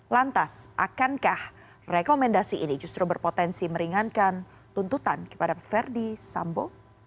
lantas akankah rekomendasi ini justru berpotensi meringankan tuntutan kepada verdi sambo